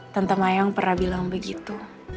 tante mayang pernah bilang begitu